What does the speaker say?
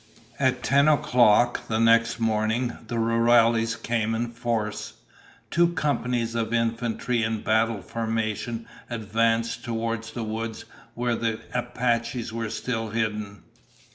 At ten o'clock the next morning, the rurales came in force. Two companies of infantry in battle formation advanced toward the woods where the Apaches were still hidden.